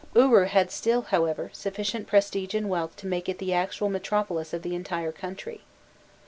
Uru had still, however, sufficient prestige and wealth to make it the actual metropolis of the entire country.